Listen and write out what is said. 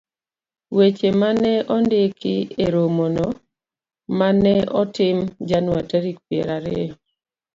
Weche ma ne ondik e romono ma ne otim Januar tarik piero ariyo,